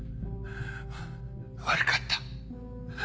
悪かった。